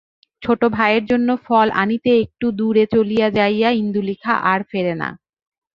ছোট ভাইয়ের জন্য ফল আনিতে একটু দূরে চলিয়া যাইয়া ইন্দুলেখা আর ফেরে না।